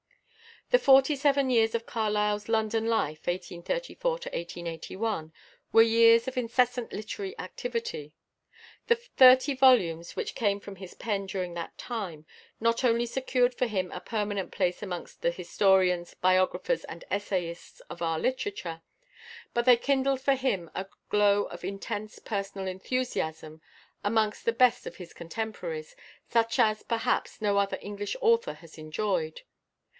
The forty seven years of Carlyle's London life (1834 1881) were years of incessant literary activity. The thirty volumes which came from his pen during that time not only secured for him a permanent place amongst the historians, biographers, and essayists of our literature, but they kindled for him a glow of intense personal enthusiasm amongst the best of his contemporaries, such as, perhaps, no other English author has enjoyed.